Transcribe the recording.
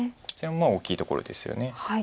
こちらも大きいところですよね。